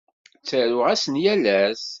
Ttaruɣ-asen yal ass.